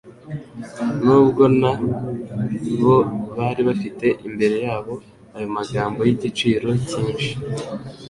nubwo na bo bari bafite imbere yabo ayo magambo y'igiciro cyinshi,